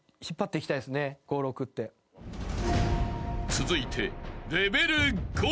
［続いて］